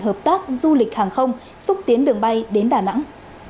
hợp tác du lịch hàng không xúc tiến đường bay đến đà nẵng